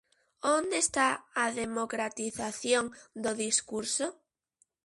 Onde está a democratización do discurso?